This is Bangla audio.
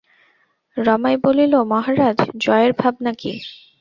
রমাই বলিল, মহারাজ, জয়ের ভাবনা কী?